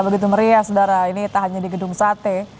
begitu meriah sedara ini tak hanya di gedung sate